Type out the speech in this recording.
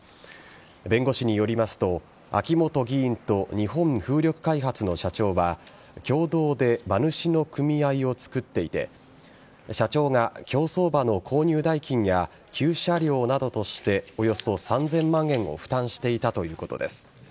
弁護士によりますと秋本議員と日本風力開発の社長は共同で馬主の組合を作っていて社長が競走馬の購入代金や厩舎料などとしておよそ３０００万円を負担していたということです。